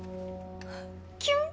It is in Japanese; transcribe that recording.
キュン！